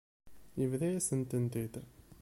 Yebḍa-yasent-tent-id.